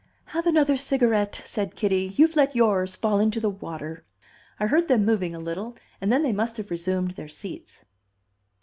"Have another cigarette," said Kitty. "You've let yours fall into the water." I heard them moving a little, and then they must have resumed their seats.